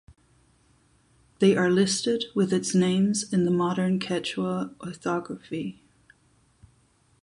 They are listed with its names in the modern Quechua orthography.